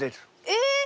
えっ！